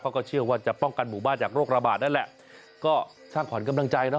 เขาก็เชื่อว่าจะป้องกันหมู่บ้านจากโรคระบาดนั่นแหละก็สร้างขวัญกำลังใจเนอ